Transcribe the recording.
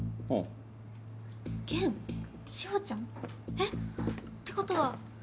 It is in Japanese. えっ？ってことは。